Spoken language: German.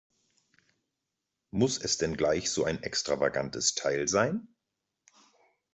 Muss es denn gleich so ein extravagantes Teil sein?